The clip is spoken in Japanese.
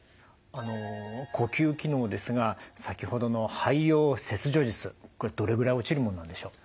あの呼吸機能ですが先ほどの肺葉切除術どれぐらい落ちるもんなんでしょう？